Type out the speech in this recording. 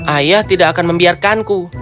ayah tidak akan membiarkanku